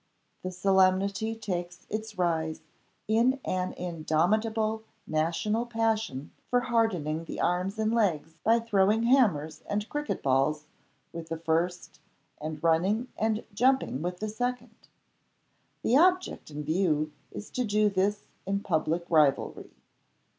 The solemnity takes its rise in an indomitable national passion for hardening the arms and legs, by throwing hammers and cricket balls with the first, and running and jumping with the second. The object in view is to do this in public rivalry.